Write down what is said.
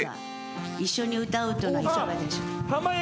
一緒に歌うというのはいかがでしょう？